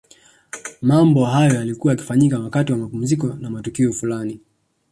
Mambo hayo yalikuwa yakifanyika wakati wa mapumziko na matukio fulani